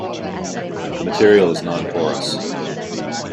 The material is non-porous.